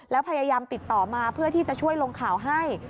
แล้วพยายามติดต่อมาเพื่อที่จะช่วยลงข่าวให้